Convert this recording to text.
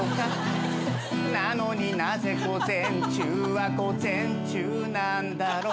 「なのになぜ午前中は午前中なんだろう」